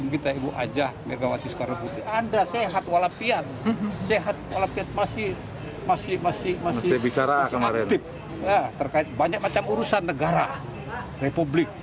terkait masih aktif terkait banyak macam urusan negara republik